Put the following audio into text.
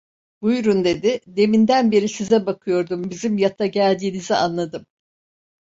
"Buyurun" dedi, "deminden beri size bakıyordum, bizim yata geldiğinizi anladım."